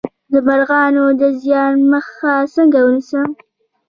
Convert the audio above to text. د مرغانو د زیان مخه څنګه ونیسم؟